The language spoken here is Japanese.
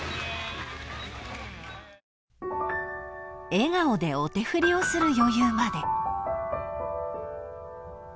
［笑顔でお手振りをする余裕まで］